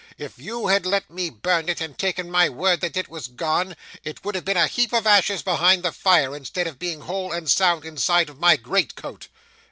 If you had let me burn it, and taken my word that it was gone, it would have been a heap of ashes behind the fire, instead of being whole and sound, inside of my great coat.